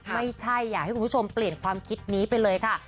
ไม่ใช่อยากให้คุณผู้ชมเปลี่ยนความคิดนี้ไปเลยค่ะ